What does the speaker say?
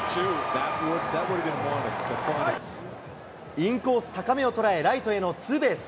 インコース高めを捉え、ライトへのツーベース。